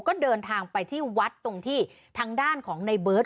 ก็เดินทางไปที่วัดตรงที่ทางด้านของในเบิร์ต